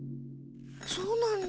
そうなんだ。